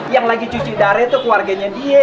yang lagi cuci darah itu keluarganya dia